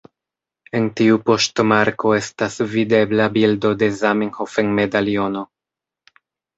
En tiu poŝtmarko estas videbla bildo de Zamenhof en medaliono.